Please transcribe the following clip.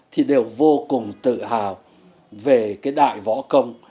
thì đều vô cùng tự hào về cái đại võ công